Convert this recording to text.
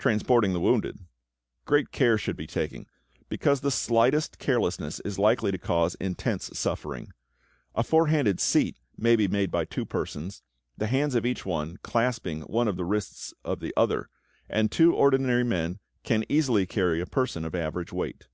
=Transporting the Wounded.= Great care should be taken, because the slightest carelessness is likely to cause intense suffering. A four handed seat may be made by two persons, the hands of each one clasping one of the wrists of the other, and two ordinary men can easily carry a person of average weight.